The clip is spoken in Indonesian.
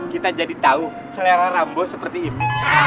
kita jadi tahu selera rambo seperti ini